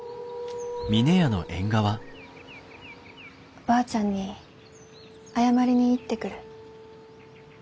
おばあちゃんに謝りに行ってくる。